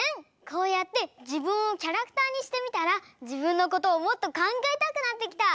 こうやって自分をキャラクターにしてみたら自分のことをもっと考えたくなってきた！